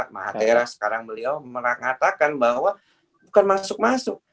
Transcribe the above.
mahathira sekarang beliau mengatakan bahwa bukan masuk masuk